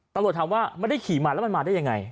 ตำรวจถามว่าไม่ได้ขี่มาแล้วมันมาได้ยังไง